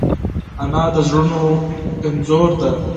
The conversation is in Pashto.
انا د زړونو انځور ده